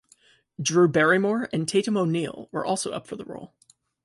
Drew Barrymore and Tatum O'Neal were also up for the role.